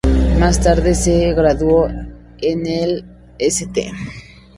Más tarde se graduó en el St.